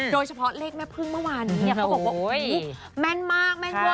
โดยเฉพาะเลขแม่พึงเมื่อวานเขาบอกว่าแม่นมากแม่นเวิร์ด